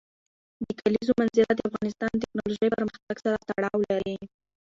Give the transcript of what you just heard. د کلیزو منظره د افغانستان د تکنالوژۍ پرمختګ سره تړاو لري.